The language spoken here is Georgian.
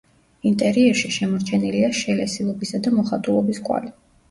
ინტერიერში შემორჩენილია შელესილობისა და მოხატულობის კვალი.